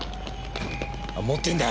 あ持ってんだ。